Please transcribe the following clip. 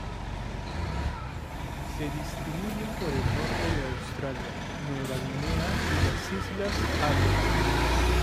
Se distribuyen por el norte de Australia, Nueva Guinea y las islas Aru.